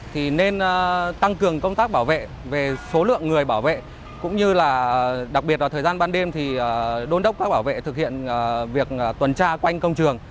thì nên tăng cường công tác bảo vệ về số lượng người bảo vệ cũng như là đặc biệt là thời gian ban đêm thì đôn đốc các bảo vệ thực hiện việc tuần tra quanh công trường